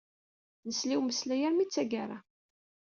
Nesla i umeslay armi tagara.